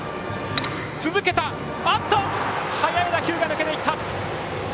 速い打球が抜けていった。